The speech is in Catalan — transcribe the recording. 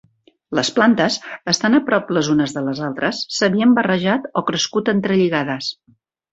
Les plantes, estant a prop les unes de les altres, s'havien barrejat o crescut entrelligades.